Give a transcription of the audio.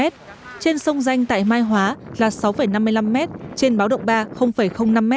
trên sông danh tại mai hóa là sáu năm mươi năm m trên báo động ba năm m